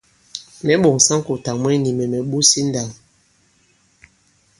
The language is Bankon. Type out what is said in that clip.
Mɛ̌ ɓòŋsa ŋ̀kùtà mwɛŋ, nì mɛ̀ mɛ̀ ɓos i ǹndāw.